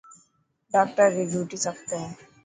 ڊاڪٽر ري ڊوٽي سخت هي.